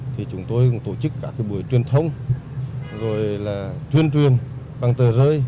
thì chúng tôi cũng tổ chức các buổi truyền thông rồi là truyền truyền bằng tờ rơi